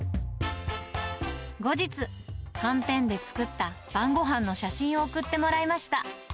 後日、はんぺんで作った晩ごはんの写真を送ってもらいました。